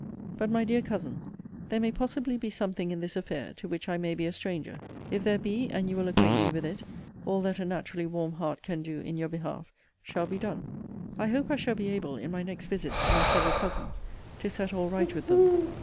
But, my dear Cousin, there may possibly be something in this affair, to which I may be a stranger. If there be, and you will acquaint me with it, all that a naturally warm heart can do in your behalf shall be done. I hope I shall be able, in my next visits to my several cousins, to set all right with them.